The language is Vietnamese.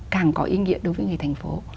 càng có ý nghĩa đối với người thành phố